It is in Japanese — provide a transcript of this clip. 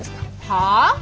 はあ？